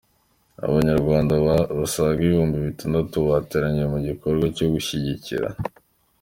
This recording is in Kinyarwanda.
Abanyarwanda basaga Ibihumbi bitandatu bateraniye mu gikorwa cyo gushyigikira